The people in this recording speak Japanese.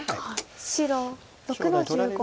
白６の十五。